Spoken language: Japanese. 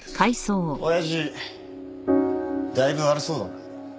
親父だいぶ悪そうだな。